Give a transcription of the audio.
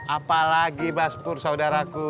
apalagi mas pur saudaraku